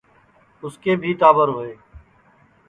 اُسکے بھی ٹاٻر ہوئے